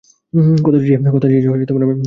কথা দিচ্ছি, আমি পাল্টাব।